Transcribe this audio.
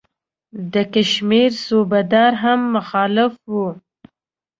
د کشمیر صوبه دار هم مخالف وو.